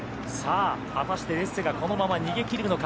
果たしてデッセがこのまま逃げ切るのか。